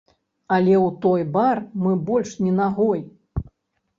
Але ў той бар мы больш ні нагой.